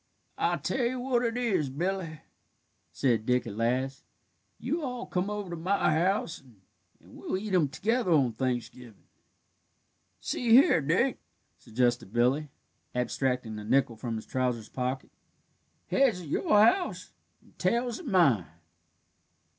"I'll tell you what it is, Billy," said Dick at last; "you all come over to my house, and we'll eat him together on Thanksgivin'." "See here, Dick," suggested Billy, abstracting a nickel from his trousers' pocket; "heads at your house, and tails at mine."